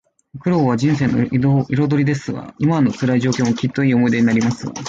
苦労は人生の彩りですわ。今の辛い状況も、きっといい思い出になりますわ